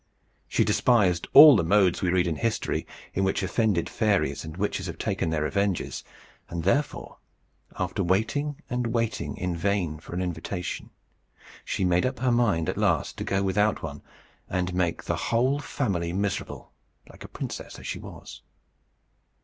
She despised all the modes we read of in history, in which offended fairies and witches have taken their revenges; and therefore, after waiting and waiting in vain for an invitation, she made up her mind at last to go without one, and make the whole family miserable, like a princess as she was.